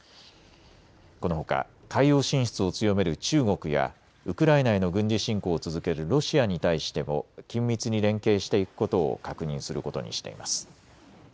このほか海洋進出を強める中国やウクライナへの軍事侵攻を続けるロシアに対しても緊密に連携していくことを確認することにしています。